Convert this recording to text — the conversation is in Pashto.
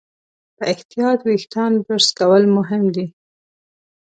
په احتیاط وېښتيان برس کول مهم دي.